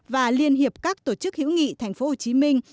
và liên hiệp các tổ chức hữu nghị thành phố hồ chí minh